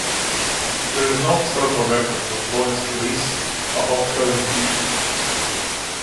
There is no historical record of Bonny's release or of her execution.